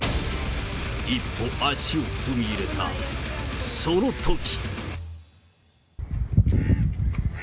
一歩足を踏み入れたそのとき。